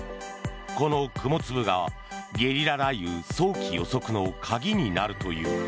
この雲粒がゲリラ雷雨早期予測の鍵になるという。